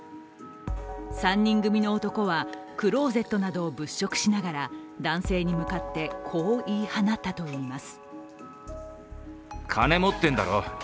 ３人組の男はクローゼットなどを物色しながら男性に向かって、こう言い放ったといいます。